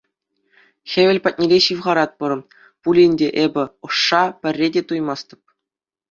Хевел патнелле ҫывхаратпӑр пулин те эпӗ ӑшша пӗрре те туймастӑп.